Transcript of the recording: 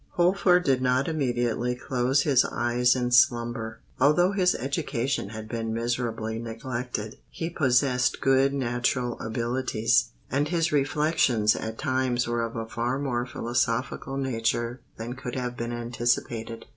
Holford did not immediately close his eyes in slumber. Although his education had been miserably neglected, he possessed good natural abilities; and his reflections at times were of a far more philosophical nature than could have been anticipated.